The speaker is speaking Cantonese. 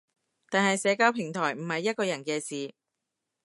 但係社交平台唔係一個人嘅事